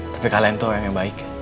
tapi kalian tuh orang yang baik